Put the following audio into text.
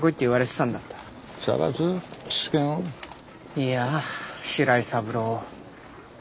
いや白井三郎を。